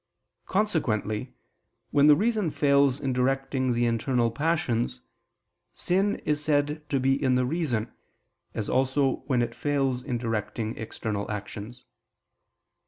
Consequently when the reason fails in directing the internal passions, sin is said to be in the reason, as also when it fails in directing external actions.